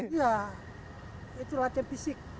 iya itu latihan fisik